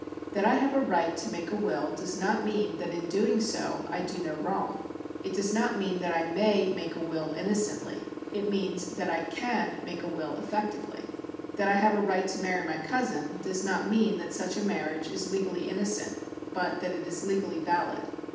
That I have a right to make a will does not mean that in doing so I do no wrong. It does not mean that I may make a will innocently ; it means that I can make a will effectively. That I have a right to marry my cousin does not mean that such a mar riage is legally innocent, but that it is legally valid.